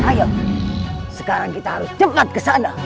ayo sekarang kita harus cepat kesana